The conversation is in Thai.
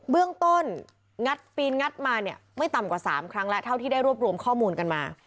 เบื้องต้นงัดปีนงัดมาเนี่ยไม่ต่ำกว่า๓ครั้งแล้วเท่าที่ได้รวบรวมข้อมูลกันมา